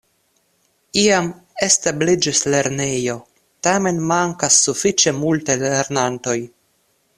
Iam establiĝis lernejo, tamen mankas sufiĉe multaj lernantoj.